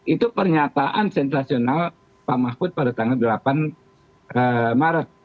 itu pernyataan sentrasional pak mahfud pada tanggal delapan maret